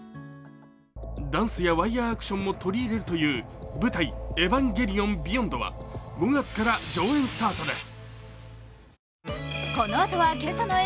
ダンスやワイヤーアクションも取り入れるという「舞台・エヴァンゲリオンビヨンド」は５月から上演スタートです。